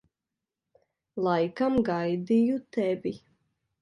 Laikam gaidīju tevi.